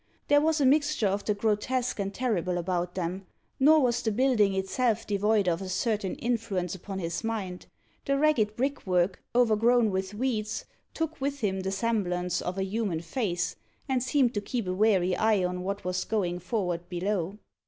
There was a mixture of the grotesque and terrible about them. Nor was the building itself devoid of a certain influence upon his mind. The ragged brickwork, overgrown with weeds, took with him the semblance of a human face, and seemed to keep a wary eye on what was going forward below.